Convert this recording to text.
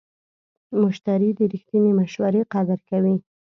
مشتری د رښتینې مشورې قدر کوي.